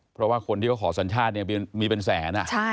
เพราะว่าคนที่เขาขอสัญชาติเนี่ยมีเป็นแสน